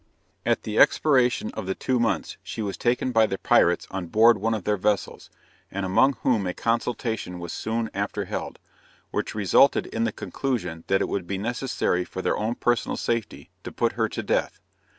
At the expiration of the two months she was taken by the pirates on board of one of their vessels, and among whom a consultation was soon after held, which resulted in the conclusion that it would be necessary for their own personal safety, to put her to death!